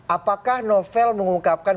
apakah novel mengungkapkan